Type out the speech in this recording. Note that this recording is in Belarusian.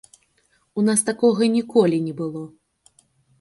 У нас такога ніколі не было!